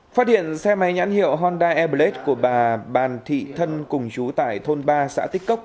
phát hiện xe máy nhãn hiệu honda airblade của bà bàn thị thân cùng chú tại thôn ba xã tích cốc